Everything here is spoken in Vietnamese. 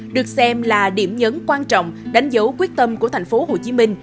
được xem là điểm nhấn quan trọng đánh dấu quyết tâm của thành phố hồ chí minh